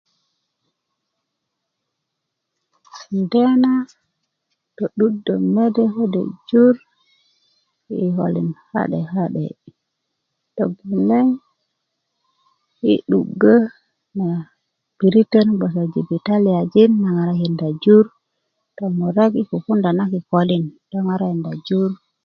kenda na to'durjö mede kode jur i kokölin ka'de ka'de togeleŋ yi 'dugö na piritön bge jibitaliajin na ŋarakinda jur tomurek i kukunda na kikölin lo ŋarakinda jur